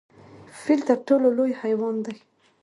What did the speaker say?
فیل تر ټولو لوی حیوان دی؟